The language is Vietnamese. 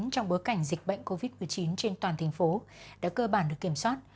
trong bối cảnh dịch bệnh covid một mươi chín trên toàn thành phố đã cơ bản được kiểm soát